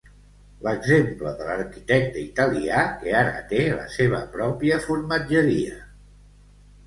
L'exemple de l'arquitecte italià que ara té la seva pròpia formatgeria.